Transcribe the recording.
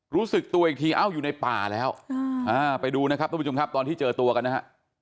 รู้สึกตัวอีกทีเอ้าอยู่ในป่าแล้วไปดูนะครับทุกผู้ชมครับตอนที่เจอตัวกันนะฮะ